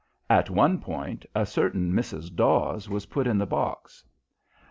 At one point a certain Mrs. Dawes was put in the box.